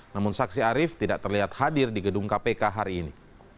namun saksi arief tidak terlihat hadir di gedung kpk hari ini